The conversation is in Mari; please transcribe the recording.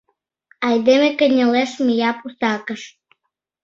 Айдеме кынелеш, мия пусакыш